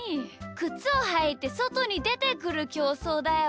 くつをはいてそとにでてくるきょうそうだよ。